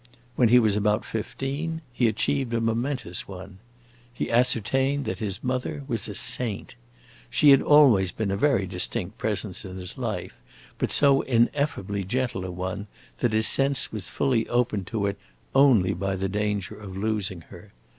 When he was about fifteen, he achieved a momentous one. He ascertained that his mother was a saint. She had always been a very distinct presence in his life, but so ineffably gentle a one that his sense was fully opened to it only by the danger of losing her.